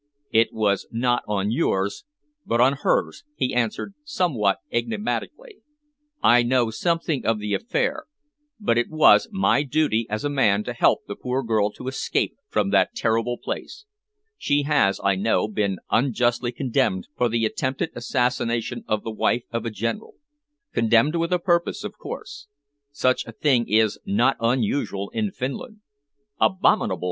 "It was not on yours, but on hers," he answered, somewhat enigmatically. "I know something of the affair, but it was my duty as a man to help the poor girl to escape from that terrible place. She has, I know, been unjustly condemned for the attempted assassination of the wife of a General condemned with a purpose, of course. Such a thing is not unusual in Finland." "Abominable!"